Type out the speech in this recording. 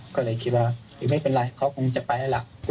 ก็เลยคิดว่าหรือไม่เป็นไรเขาคงจะไปแล้วล่ะ